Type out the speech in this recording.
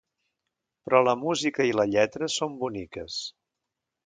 Però la música i la lletra són boniques.